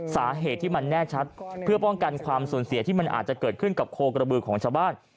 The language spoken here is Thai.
สาเหตุที่มันแน่ชัดเพื่อป้องกันความสูญเสียที่มันอาจจะเกิดขึ้นกับโคกระบือของชาวบ้าน